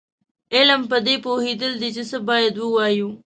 علم پدې پوهېدل دي چې څه باید ووایو.